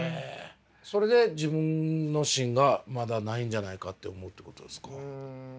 それで自分の芯がまだないんじゃないかって思うってことですか？